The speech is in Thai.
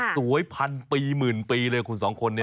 พันปีหมื่นปีเลยคุณสองคนนี้